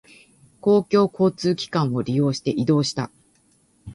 公共交通機関を利用して移動した。